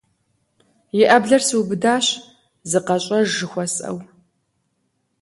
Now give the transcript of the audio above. И Ӏэблэр сыубыдащ, зыкъэщӀэж жыхуэсӀэу.